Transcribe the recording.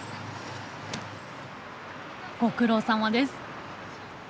ご苦労さまです。